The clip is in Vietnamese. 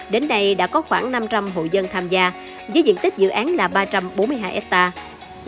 đến nay đã có khoảng năm trăm linh hộ dân tham gia với diện tích dự án là ba trăm bốn mươi hai hectare